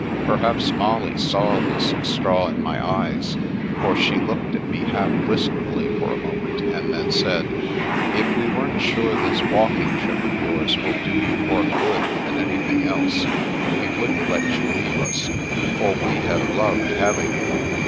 Perhaps Molly saw this straw in my eyes, for she looked at me half wistfully for a moment, and then said, " If we weren't sure this walking trip of yours will do you more good than anything else, we wouldn't let you leave us, for we have loved hav ing you.